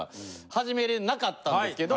始めれなかったんですけど。